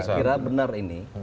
saya kira benar ini